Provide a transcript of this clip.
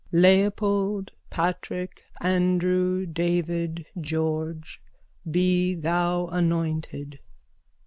_ Leopold, Patrick, Andrew, David, George, be thou anointed!